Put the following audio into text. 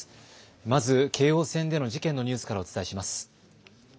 まず京王線での事件のニュースからお伝えします。